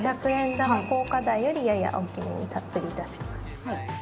玉硬貨大よりやや大きめにたっぷり出します。